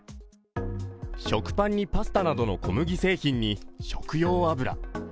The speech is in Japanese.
食パンにパスタなどの小麦製品に食用油。